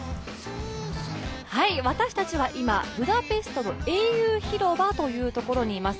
私たちは今、ブダペストの英雄広場というところにいます。